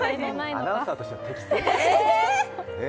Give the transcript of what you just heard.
アナウンサーとしては適性？